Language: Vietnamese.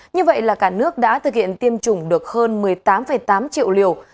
như vậy là cả nước đã thực hiện tiêm chủng được hơn một mươi tám tám triệu liều